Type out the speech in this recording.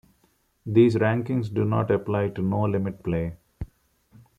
These rankings do not apply to no limit play.